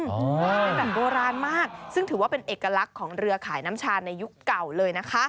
เป็นแบบโบราณมากซึ่งถือว่าเป็นเอกลักษณ์ของเรือขายน้ำชาญในยุคเก่าเลยนะคะ